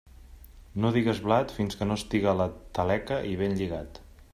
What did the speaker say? No digues blat fins que no estiga a la taleca i ben lligat.